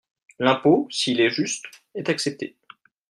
L’impôt, s’il est juste, est accepté.